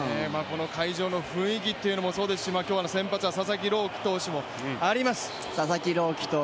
会場の雰囲気というのもそうですし、今日は先発が佐々木朗希投手もあります。